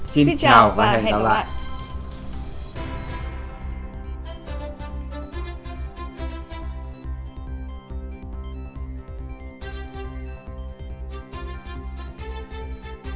xin chào và hẹn gặp lại